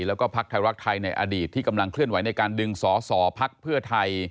แล้วก็พักไทยรักไทยในอดีตที่กำลังเคลื่อนไหวในการดึงสอสอพักเพื่อไทย